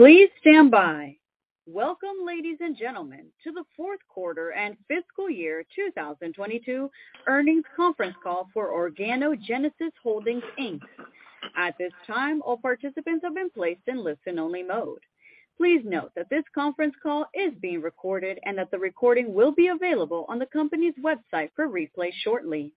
Please stand by. Welcome, ladies and gentlemen, to the Fourth Quarter and Fiscal Year 2022 earnings conference call for Organogenesis Holdings Inc. At this time, all participants have been placed in listen-only mode. Please note that this conference call is being recorded and that the recording will be available on the company's website for replay shortly.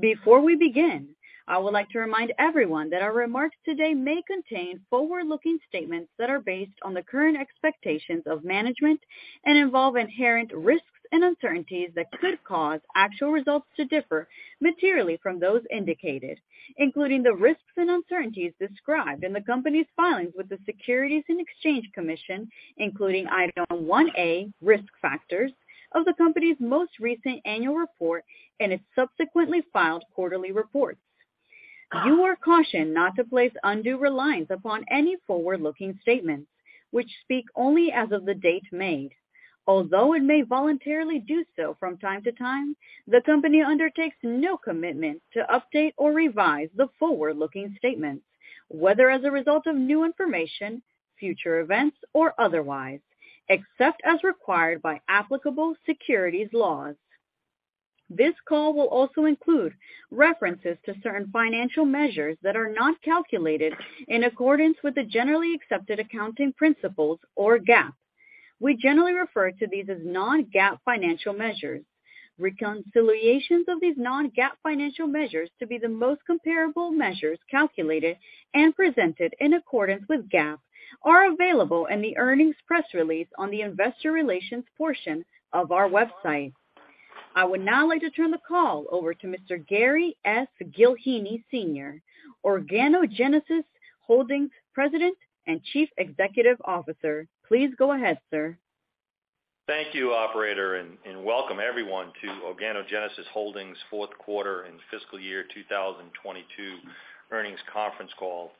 Before we begin, I would like to remind everyone that our remarks today may contain forward-looking statements that are based on the current expectations of management and involve inherent risks and uncertainties that could cause actual results to differ materially from those indicated, including the risks and uncertainties described in the company's filings with the Securities and Exchange Commission, including Item 1A, Risk Factors, of the company's most recent annual report and its subsequently filed quarterly reports. You are cautioned not to place undue reliance upon any forward-looking statements, which speak only as of the date made. Although it may voluntarily do so from time to time, the company undertakes no commitment to update or revise the forward-looking statements, whether as a result of new information, future events, or otherwise, except as required by applicable securities laws. This call will also include references to certain financial measures that are not calculated in accordance with the generally accepted accounting principles or GAAP. We generally refer to these as non-GAAP financial measures. Reconciliations of these non-GAAP financial measures to be the most comparable measures calculated and presented in accordance with GAAP are available in the earnings press release on the investor relations portion of our website. I would now like to turn the call over to Mr. Gary S. Gillheeney, Sr., Organogenesis Holdings President and Chief Executive Officer. Please go ahead, sir. Thank you, operator. Welcome everyone to Organogenesis Holdings' fourth quarter and fiscal year 2022 earnings conference call.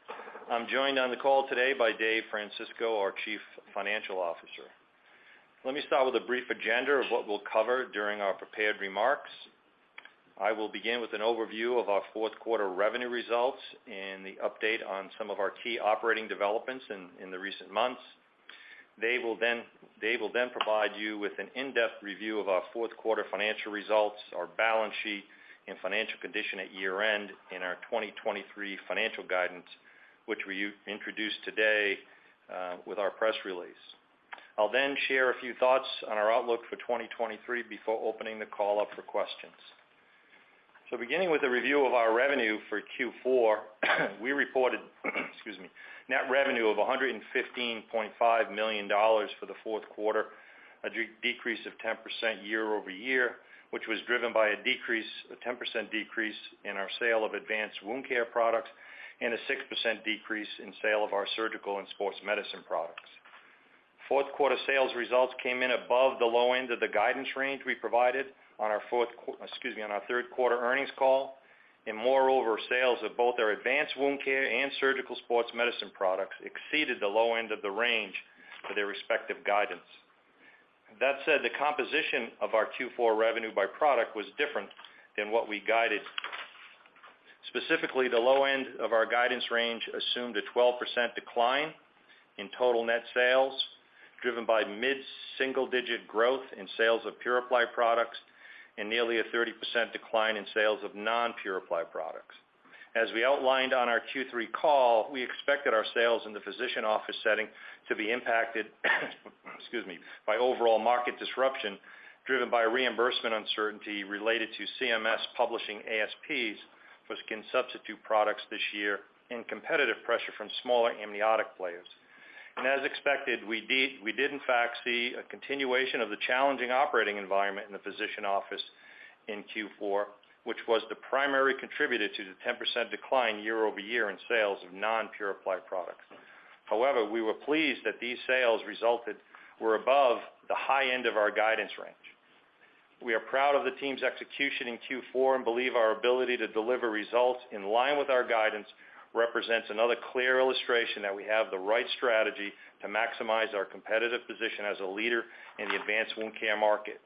I'm joined on the call today by Dave Francisco, our Chief Financial Officer. Let me start with a brief agenda of what we'll cover during our prepared remarks. I will begin with an overview of our fourth quarter revenue results and the update on some of our key operating developments in the recent months. Dave will then provide you with an in-depth review of our fourth quarter financial results, our balance sheet and financial condition at year-end in our 2023 financial guidance, which we introduce today with our press release. I'll share a few thoughts on our outlook for 2023 before opening the call up for questions. Beginning with a review of our revenue for Q4, we reported net revenue of $115.5 million for the fourth quarter, a decrease of 10% year-over-year, which was driven by a 10% decrease in our sale of advanced wound care products and a 6% decrease in sale of our surgical and sports medicine products. Fourth quarter sales results came in above the low end of the guidance range we provided on our third quarter earnings call. Moreover, sales of both our advanced wound care and surgical sports medicine products exceeded the low end of the range for their respective guidance. That said, the composition of our Q4 revenue by product was different than what we guided. Specifically, the low end of our guidance range assumed a 12% decline in total net sales, driven by mid-single-digit growth in sales of PuraPly products and nearly a 30% decline in sales of non-PuraPly products. As we outlined on our Q3 call, we expected our sales in the physician office setting to be impacted excuse me, by overall market disruption, driven by reimbursement uncertainty related to CMS publishing ASPs for skin substitute products this year and competitive pressure from smaller amniotic players. As expected, we did in fact see a continuation of the challenging operating environment in the physician office in Q4, which was the primary contributor to the 10% decline year-over-year in sales of non-PuraPly products. However, we were pleased that these sales resulted were above the high end of our guidance range. We are proud of the team's execution in Q4 and believe our ability to deliver results in line with our guidance represents another clear illustration that we have the right strategy to maximize our competitive position as a leader in the advanced wound care market.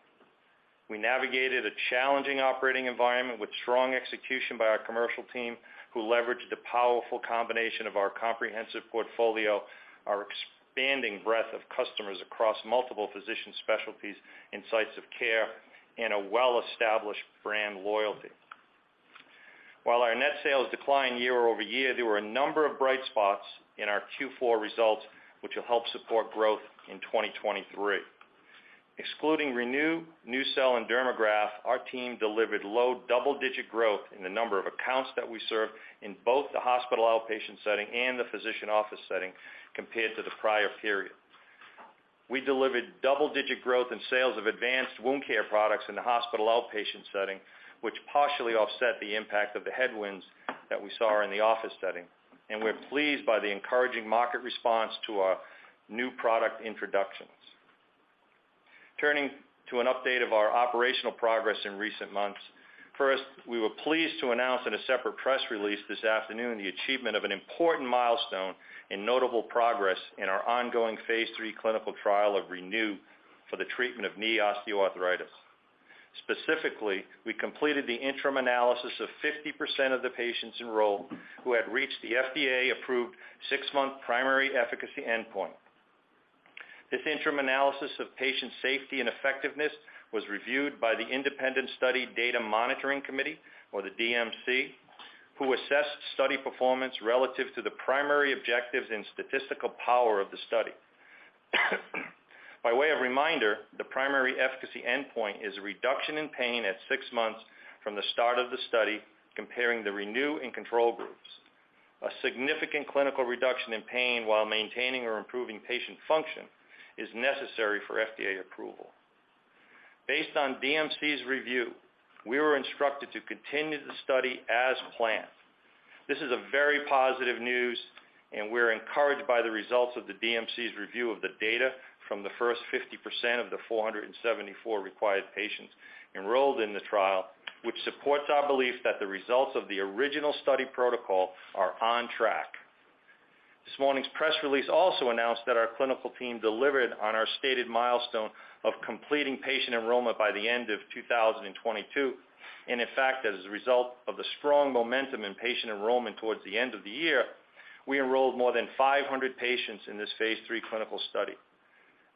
We navigated a challenging operating environment with strong execution by our commercial team, who leveraged the powerful combination of our comprehensive portfolio, our expanding breadth of customers across multiple physician specialties and sites of care, and a well-established brand loyalty. While our net sales declined year-over-year, there were a number of bright spots in our Q4 results, which will help support growth in 2023. Excluding ReNu, NuCel, and Dermagraft, our team delivered low double-digit growth in the number of accounts that we serve in both the hospital outpatient setting and the physician office setting compared to the prior period. We delivered double-digit growth in sales of advanced wound care products in the hospital outpatient setting, which partially offset the impact of the headwinds that we saw in the office setting. We're pleased by the encouraging market response to our new product introductions. Turning to an update of our operational progress in recent months. First, we were pleased to announce in a separate press release this afternoon the achievement of an important milestone and notable progress in our ongoing phase III clinical trial of ReNu for the treatment of knee osteoarthritis. Specifically, we completed the interim analysis of 50% of the patients enrolled who had reached the FDA-approved six-month primary efficacy endpoint. This interim analysis of patient safety and effectiveness was reviewed by the independent study data monitoring committee, or the DMC, who assessed study performance relative to the primary objectives and statistical power of the study. By way of reminder, the primary efficacy endpoint is a reduction in pain at 6 months from the start of the study comparing the ReNu and control groups. A significant clinical reduction in pain while maintaining or improving patient function is necessary for FDA approval. Based on DMC's review, we were instructed to continue the study as planned. This is a very positive news, and we're encouraged by the results of the DMC's review of the data from the first 50% of the 474 required patients enrolled in the trial, which supports our belief that the results of the original study protocol are on track. This morning's press release also announced that our clinical team delivered on our stated milestone of completing patient enrollment by the end of 2022. In fact, as a result of the strong momentum in patient enrollment towards the end of the year, we enrolled more than 500 patients in this phase III clinical study.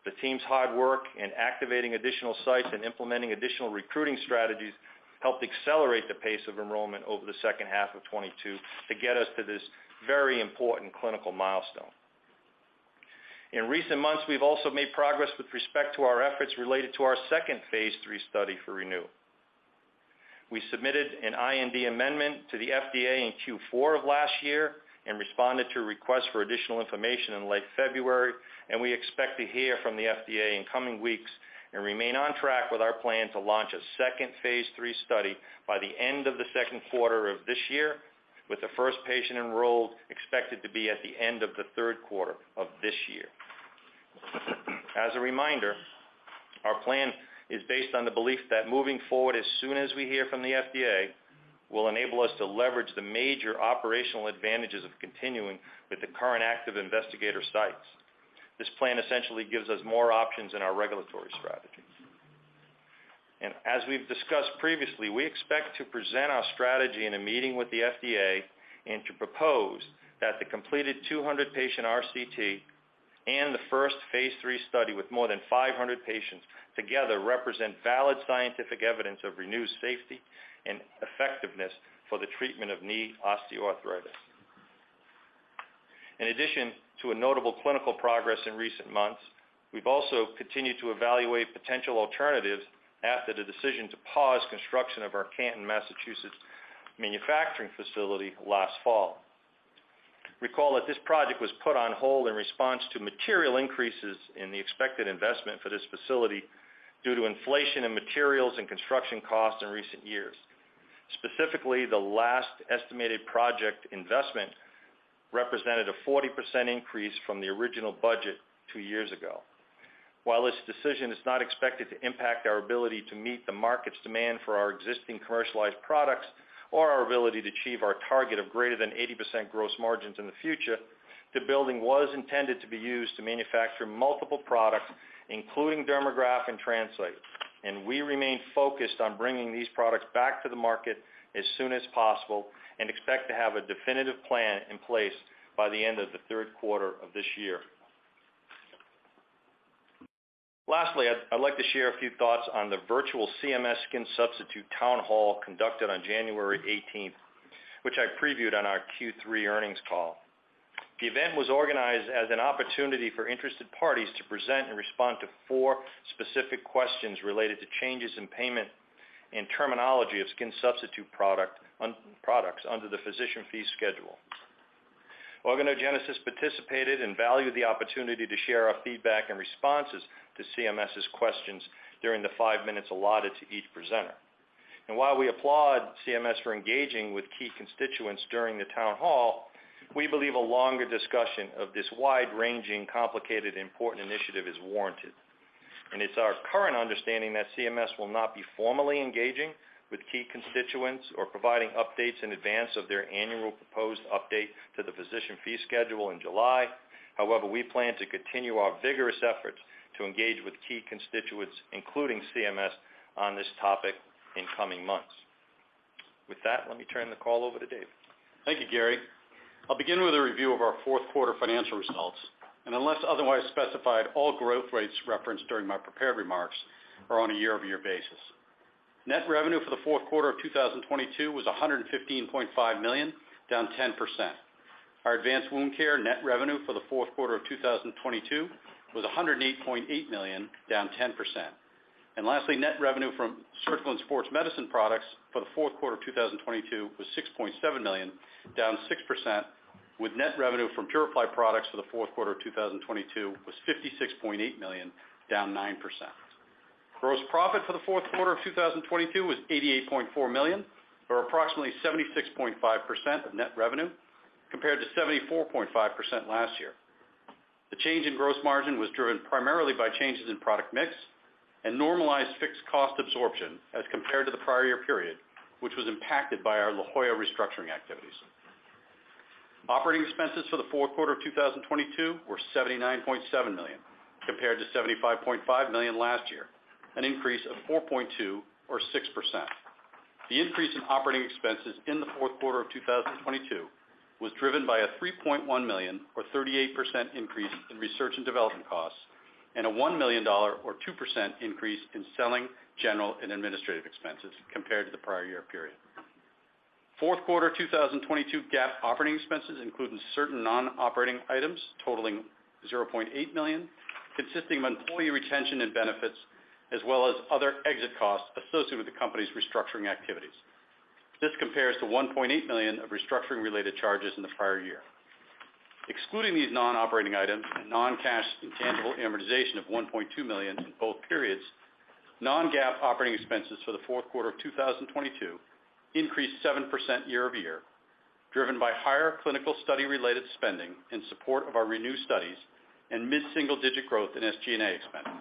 The team's hard work in activating additional sites and implementing additional recruiting strategies helped accelerate the pace of enrollment over the second half of 2022 to get us to this very important clinical milestone. In recent months, we've also made progress with respect to our efforts related to our second phase III study for ReNu. We submitted an IND amendment to the FDA in Q4 of last year and responded to requests for additional information in late February, and we expect to hear from the FDA in coming weeks and remain on track with our plan to launch a second phase III study by the end of the second quarter of this year, with the first patient enrolled expected to be at the end of the third quarter of this year. As a reminder, our plan is based on the belief that moving forward as soon as we hear from the FDA will enable us to leverage the major operational advantages of continuing with the current active investigator sites. This plan essentially gives us more options in our regulatory strategies. As we've discussed previously, we expect to present our strategy in a meeting with the FDA and to propose that the completed 200 patient RCT and the first phase III study with more than 500 patients together represent valid scientific evidence of ReNu's safety and effectiveness for the treatment of knee osteoarthritis. In addition to a notable clinical progress in recent months, we've also continued to evaluate potential alternatives after the decision to pause construction of our Canton, Massachusetts manufacturing facility last fall. Recall that this project was put on hold in response to material increases in the expected investment for this facility due to inflation in materials and construction costs in recent years. Specifically, the last estimated project investment represented a 40% increase from the original budget two years ago. While this decision is not expected to impact our ability to meet the market's demand for our existing commercialized products or our ability to achieve our target of greater than 80% gross margins in the future, the building was intended to be used to manufacture multiple products, including Dermagraft and TransCyte, and we remain focused on bringing these products back to the market as soon as possible and expect to have a definitive plan in place by the end of the third quarter of this year. Lastly, I'd like to share a few thoughts on the virtual CMS Skin Substitute Town Hall conducted on January 18th, which I previewed on our Q3 earnings call. The event was organized as an opportunity for interested parties to present and respond to for specific questions related to changes in payment and terminology of skin substitute products under the Physician Fee Schedule. Organogenesis participated and valued the opportunity to share our feedback and responses to CMS's questions during the 5 minutes allotted to each presenter. While we applaud CMS for engaging with key constituents during the town hall, we believe a longer discussion of this wide-ranging, complicated, important initiative is warranted. It's our current understanding that CMS will not be formally engaging with key constituents or providing updates in advance of their annual proposed update to the Physician Fee Schedule in July. However, we plan to continue our vigorous efforts to engage with key constituents, including CMS, on this topic in coming months. With that, let me turn the call over to Dave. Thank you, Gary. I'll begin with a review of our fourth quarter financial results, unless otherwise specified, all growth rates referenced during my prepared remarks are on a year-over-year basis. Net revenue for the fourth quarter of 2022 was $115.5 million, down 10%. Our Advanced Wound Care net revenue for the fourth quarter of 2022 was $108.8 million, down 10%. Lastly, net revenue from Surgical and Sports Medicine products for the fourth quarter of 2022 was $6.7 million, down 6%, with net revenue from PuraPly products for the fourth quarter of 2022 was $56.8 million, down 9%. Gross profit for the fourth quarter of 2022 was $88.4 million, or approximately 76.5% of net revenue, compared to 74.5% last year. The change in gross margin was driven primarily by changes in product mix and normalized fixed cost absorption as compared to the prior year period, which was impacted by our La Jolla restructuring activities. Operating expenses for the fourth quarter of 2022 were $79.7 million, compared to $75.5 million last year, an increase of $4.2 million or 6%. The increase in operating expenses in the fourth quarter of 2022 was driven by a $3.1 million or 38% increase in research and development costs, and a $1 million or 2% increase in selling general and administrative expenses compared to the prior year period. Fourth quarter 2022 GAAP operating expenses, including certain non-operating items totaling $0.8 million, consisting of employee retention and benefits, as well as other exit costs associated with the company's restructuring activities. This compares to $1.8 million of restructuring-related charges in the prior year. Excluding these non-operating items and non-cash intangible amortization of $1.2 million in both periods, non-GAAP operating expenses for the fourth quarter of 2022 increased 7% year-over-year, driven by higher clinical study-related spending in support of our ReNu studies and mid-single-digit growth in SG&A expenses.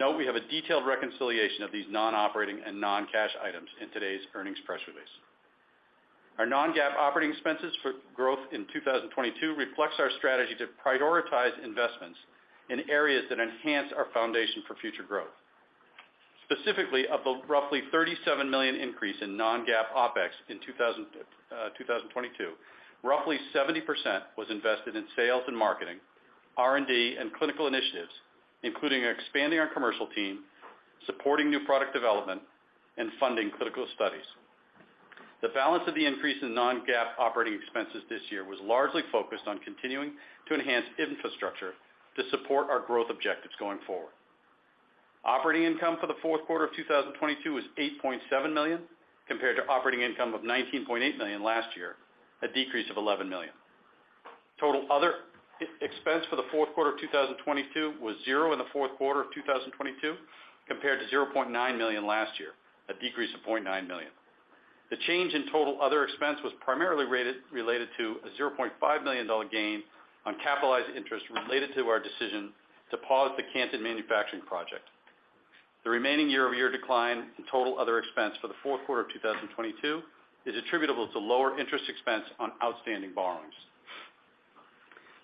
Note, we have a detailed reconciliation of these non-operating and non-cash items in today's earnings press release. Our non-GAAP operating expenses for growth in 2022 reflects our strategy to prioritize investments in areas that enhance our foundation for future growth. Specifically, of the roughly $37 million increase in non-GAAP OpEx in 2022, roughly 70% was invested in sales and marketing, R&D, and clinical initiatives, including expanding our commercial team, supporting new product development, and funding clinical studies. The balance of the increase in non-GAAP operating expenses this year was largely focused on continuing to enhance infrastructure to support our growth objectives going forward. Operating income for the fourth quarter of 2022 was $8.7 million, compared to operating income of $19.8 million last year, a decrease of $11 million. Total other expense for the fourth quarter of 2022 was $0 in the fourth quarter of 2022, compared to $0.9 million last year, a decrease of $0.9 million. The change in total other expense was primarily related to a $0.5 million gain on capitalized interest related to our decision to pause the Canton manufacturing project. The remaining year-over-year decline in total other expense for the fourth quarter of 2022 is attributable to lower interest expense on outstanding borrowings.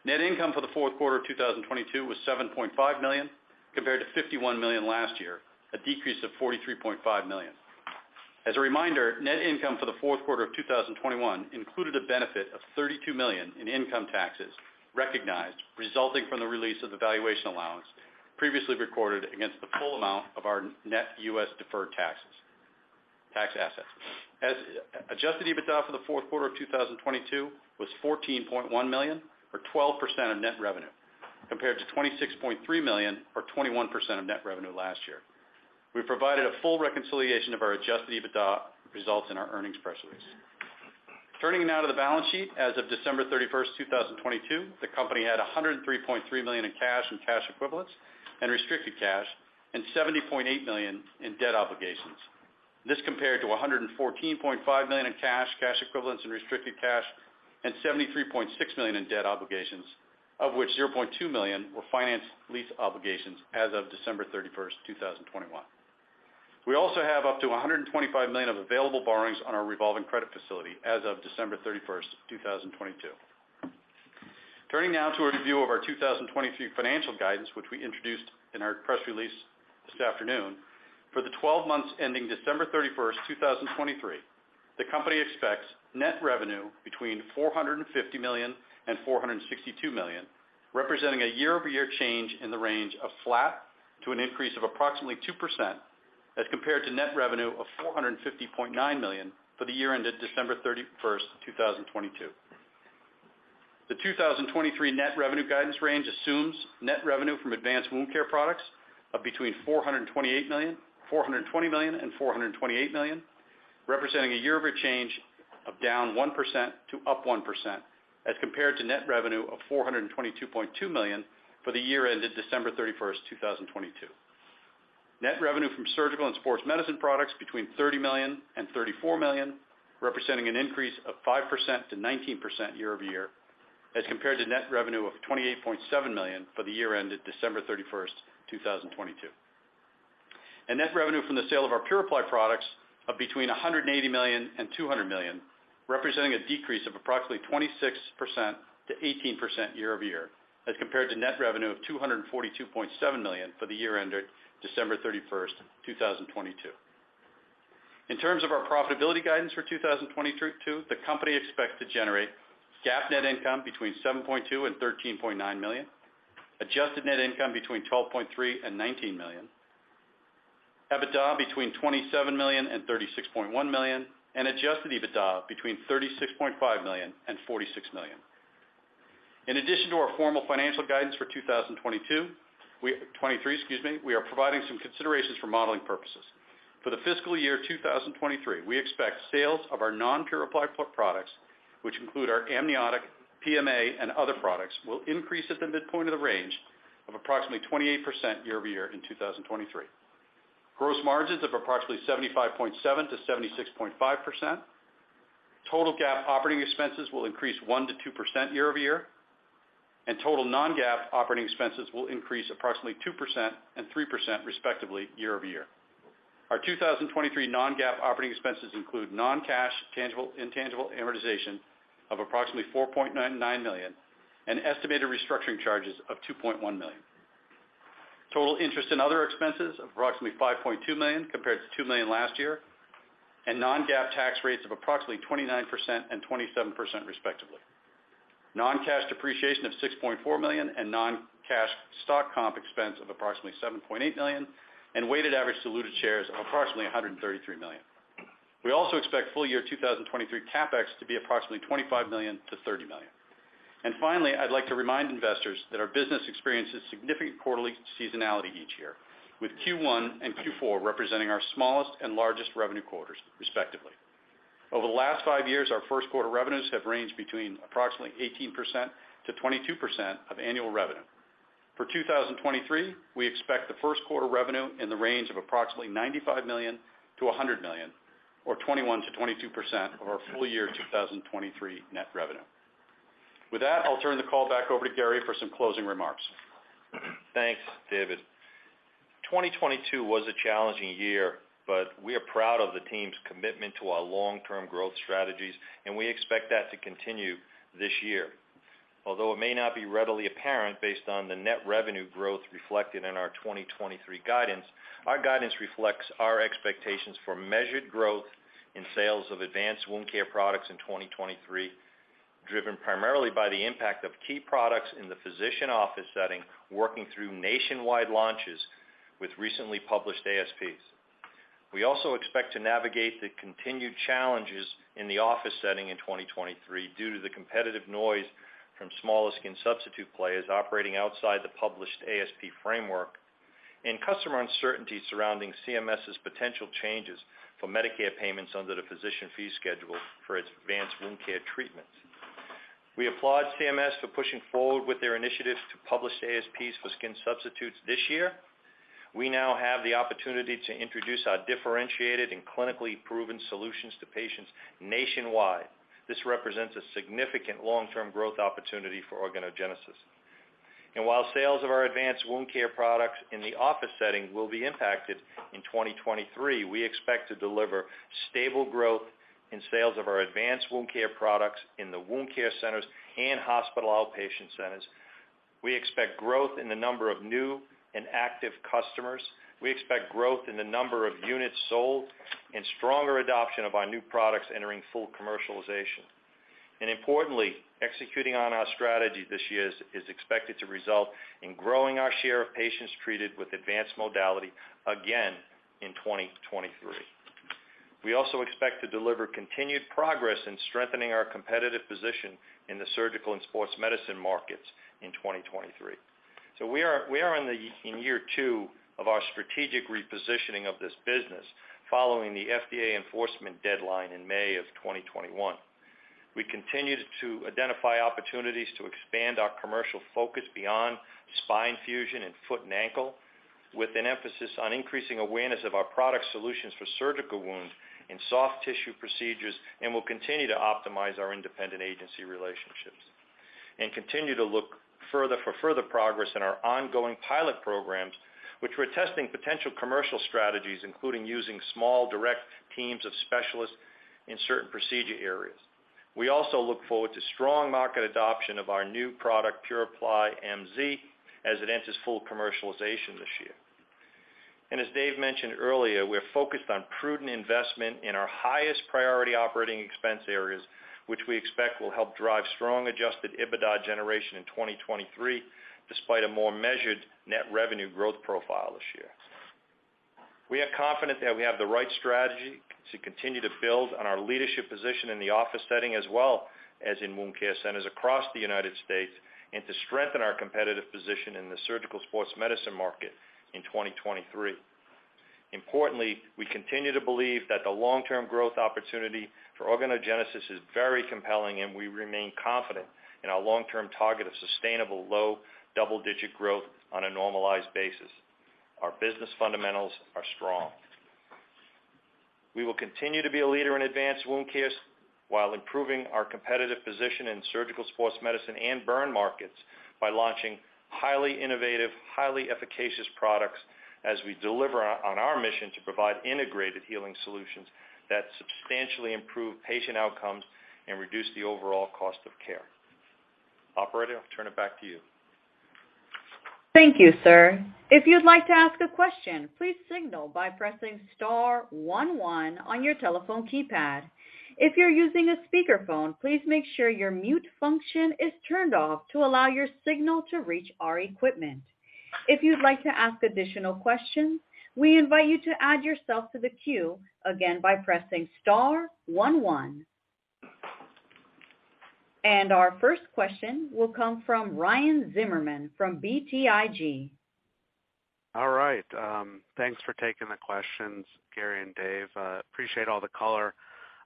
Net income for the fourth quarter of 2022 was $7.5 million, compared to $51 million last year, a decrease of $43.5 million. As a reminder, net income for the fourth quarter of 2021 included a benefit of $32 million in income taxes recognized resulting from the release of the valuation allowance previously recorded against the full amount of our net U.S. deferred tax assets. Adjusted EBITDA for the fourth quarter of 2022 was $14.1 million or 12% of net revenue, compared to $26.3 million or 21% of net revenue last year. We provided a full reconciliation of our Adjusted EBITDA results in our earnings press release. Turning now to the balance sheet. As of December 31st, 2022, the company had $103.3 million in cash and cash equivalents and restricted cash, and $78 million in debt obligations. This compared to $114.5 million in cash equivalents, and restricted cash, and $73.6 million in debt obligations, of which $0.2 million were finance lease obligations as of December 31st, 2021. We also have up to $125 million of available borrowings on our revolving credit facility as of December 31st, 2022. Turning now to a review of our 2022 financial guidance, which we introduced in our press release this afternoon. For the 12 months ending December 31st, 2023, the company expects net revenue between $450 million and $462 million, representing a year-over-year change in the range of flat to an increase of approximately 2% as compared to net revenue of $450.9 million for the year ended December 31st, 2022. The 2023 net revenue guidance range assumes net revenue from advanced wound care products of between $420 million and $428 million, representing a year-over-year change of -1% to +1% as compared to net revenue of $422.2 million for the year ended December 31st, 2022. Net revenue from surgical and sports medicine products between $30 million and $34 million, representing an increase of 5% to 19% year-over-year as compared to net revenue of $28.7 million for the year ended December 31st, 2022. Net revenue from the sale of our PuraPly products of between $180 million and $200 million, representing a decrease of approximately 26%-18% year-over-year as compared to net revenue of $242.7 million for the year ended December 31st, 2022. In terms of our profitability guidance for 2022, the company expects to generate GAAP net income between $7.2 million and $13.9 million, adjusted net income between $12.3 million and $19 million, EBITDA between $27 million and $36.1 million, and Adjusted EBITDA between $36.5 million and $46 million. In addition to our formal financial guidance for 2023, excuse me, we are providing some considerations for modeling purposes. For the fiscal year 2023, we expect sales of our non-PuraPly products, which include our amniotic, PMA, and other products, will increase at the midpoint of the range of approximately 28% year-over-year in 2023. Gross margins of approximately 75.7%-76.5%. Total GAAP operating expenses will increase 1%-2% year-over-year. Total non-GAAP operating expenses will increase approximately 2% and 3% respectively year-over-year. Our 2023 non-GAAP operating expenses include non-cash tangible and intangible amortization of approximately $4.99 million and estimated restructuring charges of $2.1 million. Total interest and other expenses of approximately $5.2 million compared to $2 million last year, and non-GAAP tax rates of approximately 29% and 27% respectively. Non-cash depreciation of $6.4 million and non-cash stock comp expense of approximately $7.8 million, and weighted average diluted shares of approximately 133 million. We also expect full year 2023 CapEx to be approximately $25 million-$30 million. Finally, I'd like to remind investors that our business experiences significant quarterly seasonality each year, with Q1 and Q4 representing our smallest and largest revenue quarters respectively. Over the last five years, our first quarter revenues have ranged between approximately 18% to 22% of annual revenue. For 2023, we expect the first quarter revenue in the range of approximately $95 million-$100 million, or 21%-22% of our full year 2023 net revenue. I'll turn the call back over to Gary S. Gillheeney, Sr. for some closing remarks. Thanks, Dave Francisco. 2022 was a challenging year. We are proud of the team's commitment to our long-term growth strategies, and we expect that to continue this year. Although it may not be readily apparent based on the net revenue growth reflected in our 2023 guidance, our guidance reflects our expectations for measured growth in sales of advanced wound care products in 2023, driven primarily by the impact of key products in the physician office setting, working through nationwide launches with recently published ASPs. We also expect to navigate the continued challenges in the office setting in 2023 due to the competitive noise from smaller skin substitute players operating outside the published ASP framework and customer uncertainty surrounding CMS's potential changes for Medicare payments under the Physician Fee Schedule for its advanced wound care treatments. We applaud CMS for pushing forward with their initiatives to publish ASPs for skin substitutes this year. We now have the opportunity to introduce our differentiated and clinically proven solutions to patients nationwide. This represents a significant long-term growth opportunity for Organogenesis. While sales of our advanced wound care products in the office setting will be impacted in 2023, we expect to deliver stable growth in sales of our advanced wound care products in the wound care centers and hospital outpatient centers. We expect growth in the number of new and active customers. We expect growth in the number of units sold and stronger adoption of our new products entering full commercialization. Importantly, executing on our strategy this year is expected to result in growing our share of patients treated with advanced modality again in 2023. We also expect to deliver continued progress in strengthening our competitive position in the surgical and sports medicine markets in 2023. We are in year two of our strategic repositioning of this business following the FDA enforcement deadline in May of 2021. We continue to identify opportunities to expand our commercial focus beyond spine fusion and foot and ankle, with an emphasis on increasing awareness of our product solutions for surgical wounds and soft tissue procedures, and we'll continue to optimize our independent agency relationships. Continue for further progress in our ongoing pilot programs, which we're testing potential commercial strategies, including using small direct teams of specialists in certain procedure areas. We also look forward to strong market adoption of our new product, PuraPly MZ, as it enters full commercialization this year. As Dave mentioned earlier, we're focused on prudent investment in our highest priority operating expense areas, which we expect will help drive strong Adjusted EBITDA generation in 2023, despite a more measured net revenue growth profile this year. We are confident that we have the right strategy to continue to build on our leadership position in the office setting as well as in wound care centers across the United States, and to strengthen our competitive position in the surgical sports medicine market in 2023. Importantly, we continue to believe that the long-term growth opportunity for Organogenesis is very compelling, and we remain confident in our long-term target of sustainable low double-digit growth on a normalized basis. Our business fundamentals are strong. We will continue to be a leader in advanced wound care while improving our competitive position in surgical sports medicine and burn markets by launching highly innovative, highly efficacious products as we deliver on our mission to provide integrated healing solutions that substantially improve patient outcomes and reduce the overall cost of care. Operator, I'll turn it back to you. Thank you, sir. If you'd like to ask a question, please signal by pressing star one one on your telephone keypad. If you're using a speakerphone, please make sure your mute function is turned off to allow your signal to reach our equipment. If you'd like to ask additional questions, we invite you to add yourself to the queue, again, by pressing star one one. Our first question will come from Ryan Zimmerman from BTIG. All right. Thanks for taking the questions, Gary and Dave. Appreciate all the color.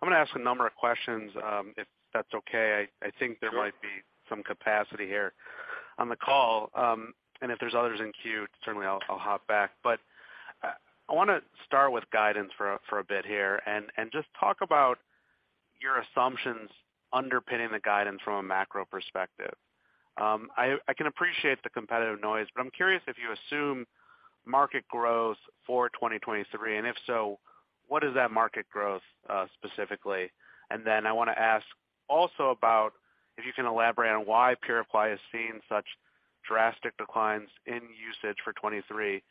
I'm gonna ask a number of questions if that's okay. I think there might be some capacity here on the call. If there's others in queue, certainly I'll hop back. I wanna start with guidance for a bit here and just talk about your assumptions underpinning the guidance from a macro perspective. I can appreciate the competitive noise, but I'm curious if you assume market growth for 2023. If so, what is that market growth specifically? I wanna ask also about if you can elaborate on why PuraPly is seeing such drastic declines in usage for 2023,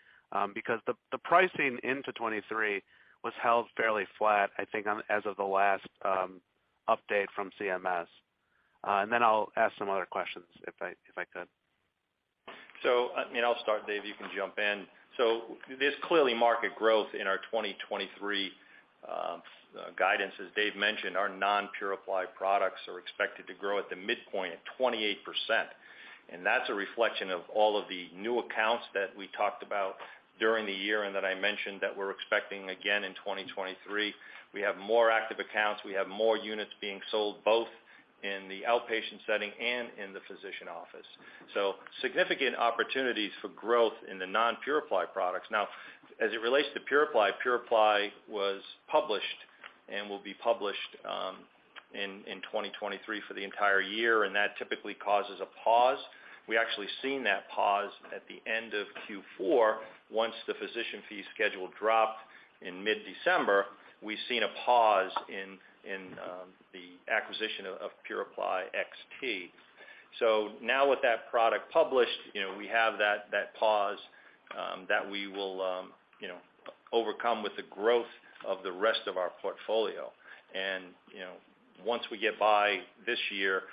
because the pricing into 2023 was held fairly flat, I think, on as of the last, update from CMS? I'll ask some other questions if I could. I mean, I'll start, Dave, you can jump in. There's clearly market growth in our 2023 guidance. As Dave mentioned, our non-PuraPly products are expected to grow at the midpoint at 28%, and that's a reflection of all of the new accounts that we talked about during the year and that I mentioned that we're expecting again in 2023. We have more active accounts. We have more units being sold, both in the outpatient setting and in the physician office. Significant opportunities for growth in the non-PuraPly products. As it relates to PuraPly was published and will be published in 2023 for the entire year, and that typically causes a pause. We actually seen that pause at the end of Q4. Once the Physician Fee Schedule dropped in mid-December, we've seen a pause in the acquisition of PuraPly XT. Now with that product published, you know, we have that pause that we will, you know, overcome with the growth of the rest of our portfolio. You know, once we get by this year,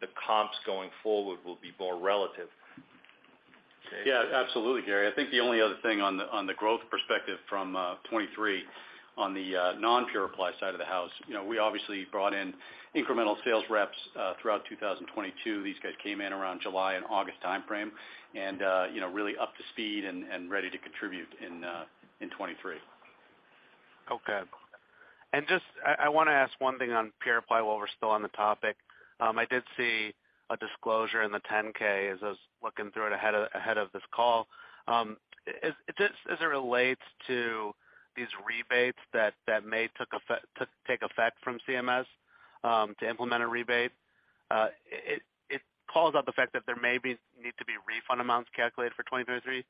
the comps going forward will be more relative. Dave? Absolutely, Gary. I think the only other thing on the growth perspective from, 2023 on the non-PuraPly side of the house, you know, we obviously brought in incremental sales reps, throughout 2022. These guys came in around July and August timeframe and, you know, really up to speed and ready to contribute in 2023. Okay. Just, I wanna ask one thing on PuraPly while we're still on the topic. I did see a disclosure in the 10-K as I was looking through it ahead of, ahead of this call. Just as it relates to these rebates that may take effect from CMS, to implement a rebate, it calls out the fact that there may be need to be refund amounts calculated for 2023.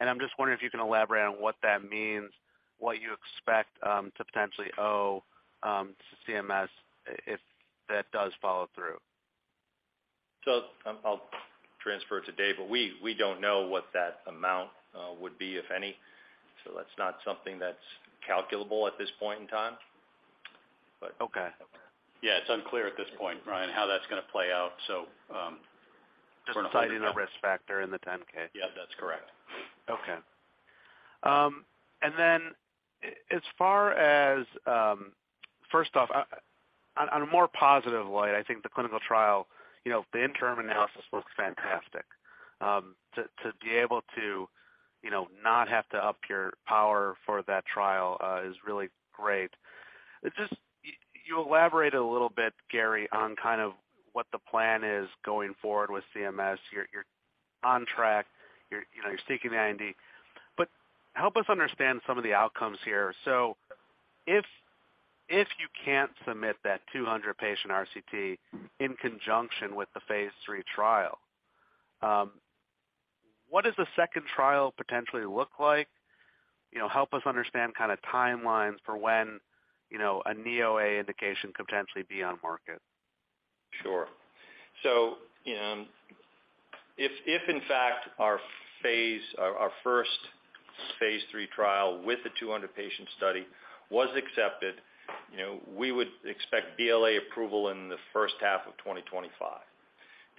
I'm just wondering if you can elaborate on what that means, what you expect, to potentially owe, to CMS if that does follow through. I'll transfer to Dave, but we don't know what that amount would be, if any, so that's not something that's calculable at this point in time. Okay. Yeah, it's unclear at this point, Ryan, how that's gonna play out, so we're not holding that. Just citing the Risk Factors in the 10-K. Yeah, that's correct. Okey its far as first off, on a more positive light, I think the clinical trial, you know, the interim analysis looks fantastic. To be able to, you know, not have to up your power for that trial, is really great. Just you elaborated a little bit, Gary, on kind of what the plan is going forward with CMS. You're on track, you know, you're seeking the IND. Help us understand some of the outcomes here. If you can't submit that 200 patient RCT in conjunction with the phase III trial, what does the second trial potentially look like? You know, help us understand kind of timelines for when, you know, a knee OA indication could potentially be on market. Sure. If, if in fact our first phase III trial with the 200-patient study was accepted, you know, we would expect BLA approval in the first half of 2025.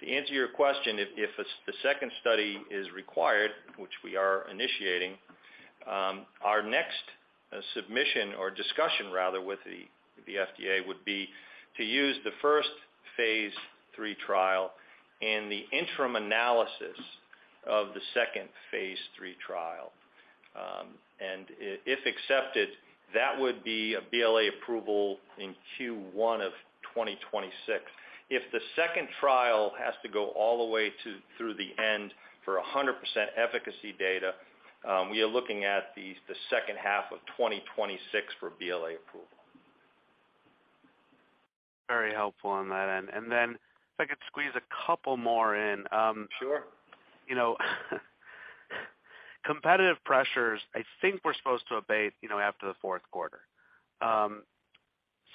To answer your question, if the second study is required, which we are initiating, our next submission or discussion rather with the FDA would be to use the first phase III trial and the interim analysis of the second phase III trial. If accepted, that would be a BLA approval in Q1 of 2026. If the second trial has to go all the way to through the end for 100% efficacy data, we are looking at the second half of 2026 for BLA approval. Very helpful on that end. If I could squeeze a couple more in, Sure. You know, competitive pressures I think were supposed to abate, you know, after the fourth quarter.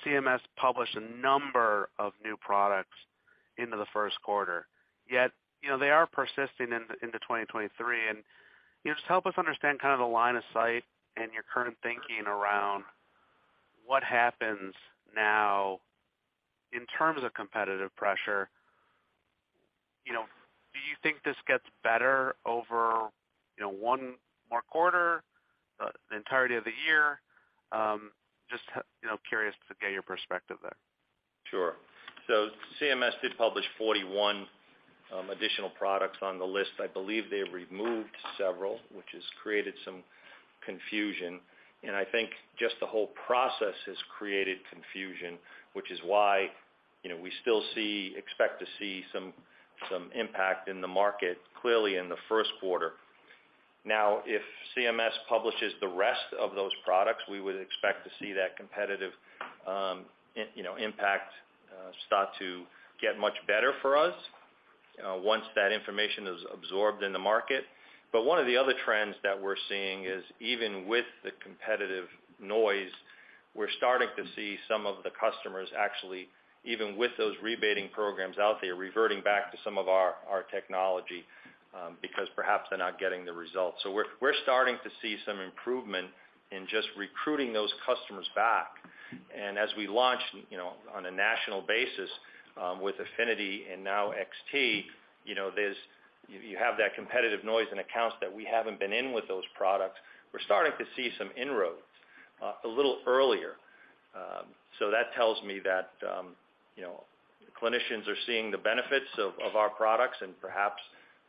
CMS published a number of new products into the first quarter, yet, you know, they are persisting in the, into 2023. You know, just help us understand kind of the line of sight and your current thinking around what happens now in terms of competitive pressure. You know, do you think this gets better over, you know, one more quarter, the entirety of the year? Just you know, curious to get your perspective there. Sure. CMS did publish 41 additional products on the list. I believe they removed several, which has created some confusion. I think just the whole process has created confusion, which is why, you know, we still expect to see some impact in the market clearly in the first quarter. Now, if CMS publishes the rest of those products, we would expect to see that competitive, you know, impact start to get much better for us once that information is absorbed in the market. One of the other trends that we're seeing is even with the competitive noise, we're starting to see some of the customers actually, even with those rebating programs out there, reverting back to some of our technology because perhaps they're not getting the results. We're starting to see some improvement in just recruiting those customers back. As we launch, you know, on a national basis, with Affinity and now XT, you know, you have that competitive noise and accounts that we haven't been in with those products. We're starting to see some inroads a little earlier. That tells me that, you know, clinicians are seeing the benefits of our products and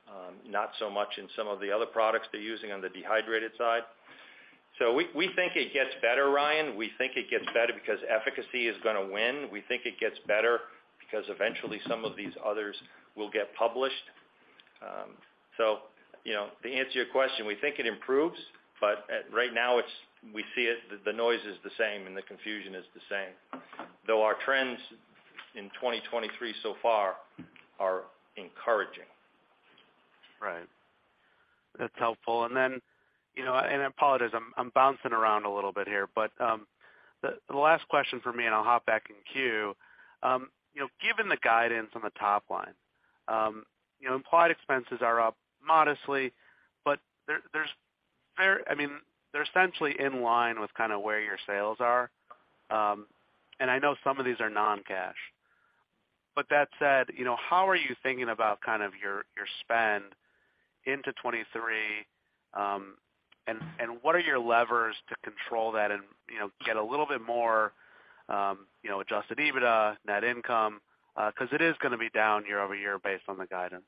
perhaps not so much in some of the other products they're using on the dehydrated side. We think it gets better, Ryan. We think it gets better because efficacy is gonna win. We think it gets better because eventually some of these others will get published. You know, to answer your question, we think it improves, but, right now, we see it, the noise is the same and the confusion is the same. Our trends in 2023 so far are encouraging. Right. That's helpful. You know, I apologize, I'm bouncing around a little bit here. The last question for me, and I'll hop back in queue. You know, given the guidance on the top line, you know, implied expenses are up modestly, I mean, they're essentially in line with kinda where your sales are. I know some of these are non-cash. That said, you know, how are you thinking about kind of your spend into 2023? What are your levers to control that and, you know, get a little bit more, you know, Adjusted EBITDA, net income?. It is gonna be down year-over-year based on the guidance.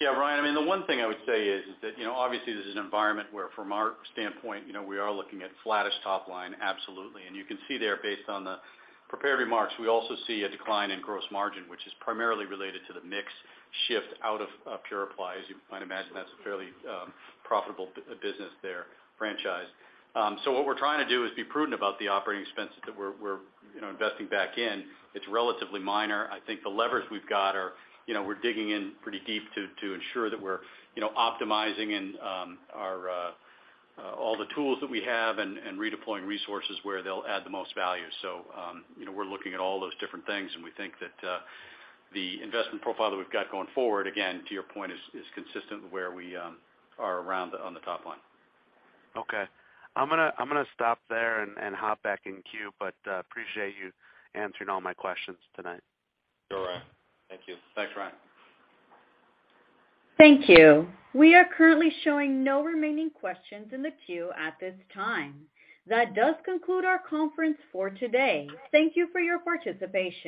Yeah, Ryan, I mean, the one thing I would say is that, you know, obviously this is an environment where from our standpoint, you know, we are looking at flattish top line, absolutely. You can see there based on the prepared remarks, we also see a decline in gross margin, which is primarily related to the mix shift out of PuraPly. As you might imagine, that's a fairly profitable business there, franchise. So, what we're trying to do is be prudent about the operating expenses that we're, you know, investing back in. It's relatively minor. I think the levers we've got are, you know, we're digging in pretty deep to ensure that we're, you know, optimizing and our all the tools that we have and redeploying resources where they'll add the most value. You know, we're looking at all those different things, and we think that the investment profile that we've got going forward, again, to your point, is consistent with where we are around on the top line. Okay. I'm gonna stop there and hop back in queue but appreciate you answering all my questions tonight. Sure. Thank you. Thanks, Ryan. Thank you. We are currently showing no remaining questions in the queue at this time. That does conclude our conference for today. Thank you for your participation.